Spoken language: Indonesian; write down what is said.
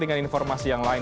dengan informasi yang lain